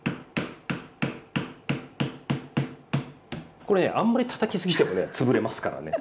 これねあんまりたたきすぎてもねつぶれますからね。